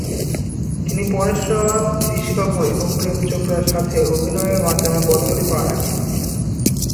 তিনি পরেশ রাওয়াল, ঋষি কাপুর এবং প্রেম চোপড়ার সাথে অভিনয়ের মাধ্যমে বলিউডে পা রাখেন।